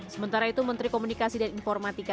sementara itu menteri komunikasi dan informatika